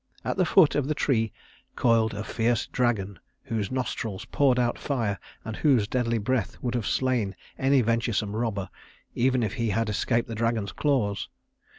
At the foot of the tree coiled a fierce dragon whose nostrils poured out fire, and whose deadly breath would have slain any venturesome robber, even if he had escaped the dragon's claws.